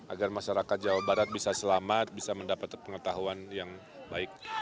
agar masyarakat jawa barat bisa selamat bisa mendapatkan pengetahuan yang baik